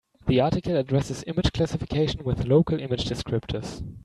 The article addresses image classification with local image descriptors.